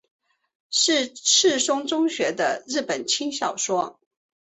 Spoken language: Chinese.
是赤松中学的日本轻小说。